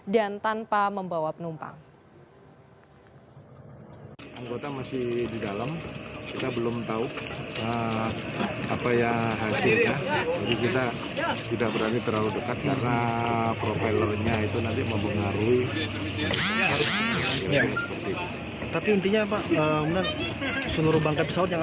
dan tanpa membawa penumpang